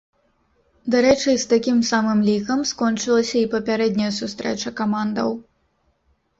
Дарэчы, з такім самым лікам скончылася і папярэдняя сустрэча камандаў.